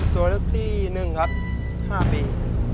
ตัวเลือกที่หนึ่งครับ๕ปี